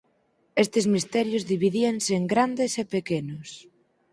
Estes misterios dividíanse en grandes e pequenos.